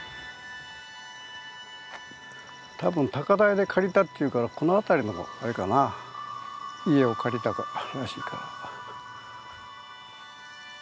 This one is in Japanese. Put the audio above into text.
多分高台で借りたっていうからこの辺りのあれかな家を借りたらしいから。